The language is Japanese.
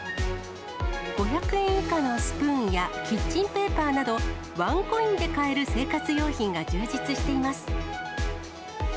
５００円以下のスプーンやキッチンペーパーなど、ワンコインで買える生活用品が充実しています。